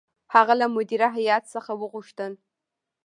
هغه له مدیره هیات څخه وغوښتل.